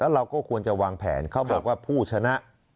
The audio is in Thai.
เราก็ควรจะวางแผนเขาบอกว่าผู้ชนะ